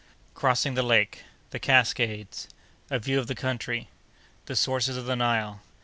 —Crossing the Lake.—The Cascades.—A View of the Country.—The Sources of the Nile.